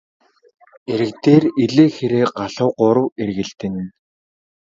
Эрэг дээр элээ хэрээ галуу гурав эргэлдэнэ.